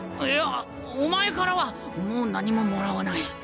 いやお前からはもう何ももらわない。